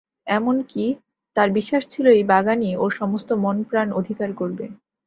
এমন-কি, তাঁর বিশ্বাস ছিল এই বাগানই ওর সমস্ত মনপ্রাণ অধিকার করবে।